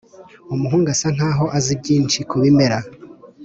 umuhungu asa nkaho azi byinshi kubimera.